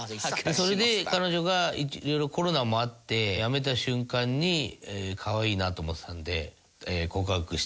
それで彼女が色々コロナもあって辞めた瞬間にかわいいなと思ってたので。